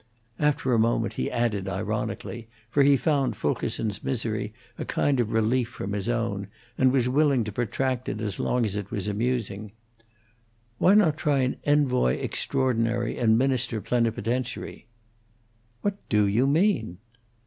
After a moment he added, ironically, for he found Fulkerson's misery a kind of relief from his own, and was willing to protract it as long as it was amusing, "Why not try an envoy extraordinary and minister plenipotentiary?" "What do you mean?"